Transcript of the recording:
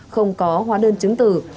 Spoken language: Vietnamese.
không có hóa đơn chứng tử